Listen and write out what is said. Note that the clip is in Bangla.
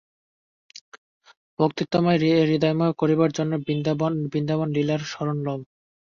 ভক্তিতত্ত্ব হৃদয়ঙ্গম করিবার জন্য বৃন্দাবন-লীলার শরণ লও।